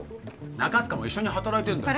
中塚も一緒に働いてんだよ